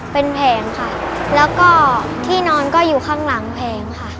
เป็นแผงค่ะแล้วก็ที่นอนก็อยู่ข้างหลังแผงค่ะ